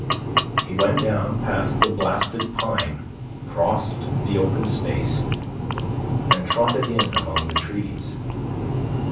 He went down past the blasted pine, crossed the open space, and trotted in amongst the trees.